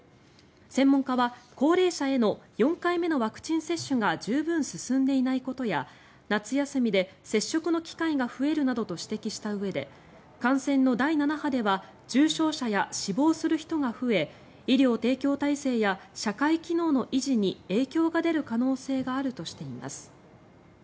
専門家は高齢者への４回目のワクチン接種が十分進んでいないことや夏休みで接触の機会が増えるなどと指摘したうえで感染の第７波では重症者や死亡する人が増え医療提供体制や社会機能の維持に影響が出る可能性があるとしています。